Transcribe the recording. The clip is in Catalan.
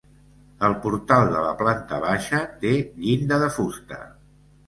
El portal de la planta baixa té llinda de fusta.